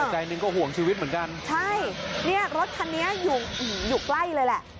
หัยทันเนี่ยอยู่ใกล้เลยแหละ